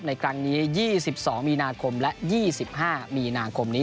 ในครั้งนี้๒๒มีนาคมและ๒๕มีนาคมนี้